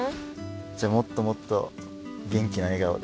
じゃあもっともっと元気な笑顔で。